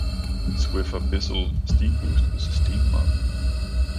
Swiffer Bissell Steamboost is a steam mop.